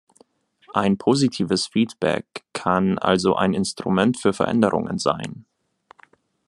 Ein positives Feedback kann also ein Instrument für Veränderungen sein.